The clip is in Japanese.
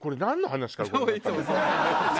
いつもそうだね。